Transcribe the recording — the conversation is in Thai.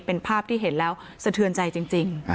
เป็นภาพที่เห็นแล้วสะเทือนใจจริง